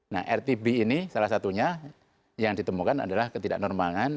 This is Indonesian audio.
nah rtb ini salah satunya yang ditemukan adalah ketidak normalan